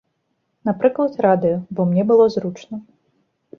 Напрыклад, радыё, бо мне было зручна.